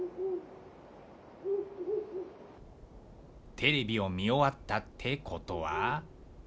テレビを見終わったってことは。